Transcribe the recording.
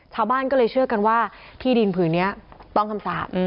ชาวบ้านก็เลยเชื่อกันว่าที่ดินผืนนี้ต้องคำสาป